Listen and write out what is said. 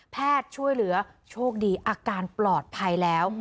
ช่วยเหลือโชคดีอาการปลอดภัยแล้ว